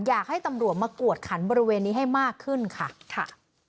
อยากให้ตำรวจมากวดขันบริเวณนี้ให้มากขึ้นค่ะค่ะ